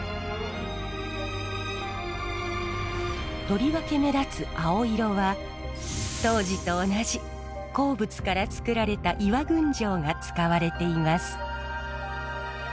とりわけ目立つ青色は当時と同じ鉱物から作られた岩群青が使われています。